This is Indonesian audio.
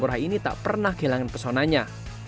murah ini tak pernah kehilangan pesonanya